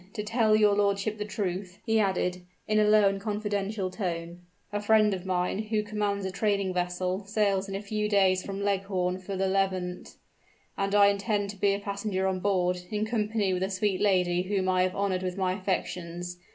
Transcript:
To tell your lordship the truth," he added, in a low and confidential tone, "a friend of mine, who commands a trading vessel, sails in a few days from Leghorn for the Levant; and I intend to be a passenger on board, in company with the sweet lady whom I have honored with my affections.